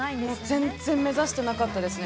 全然目指してなかったですね。